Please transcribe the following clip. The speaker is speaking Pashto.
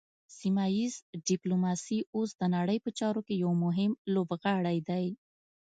سیمه ایز ډیپلوماسي اوس د نړۍ په چارو کې یو مهم لوبغاړی دی